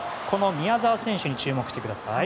宮澤選手に注目してください。